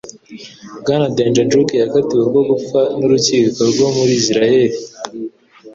Bwana Demjanjuk yakatiwe urwo gupfa n'urukiko rwo muri Isiraheli